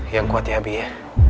yang kuat ya abi ya